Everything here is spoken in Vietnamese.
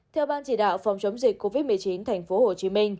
theo ban chỉ đạo phòng chống dịch covid một mươi chín tp hcm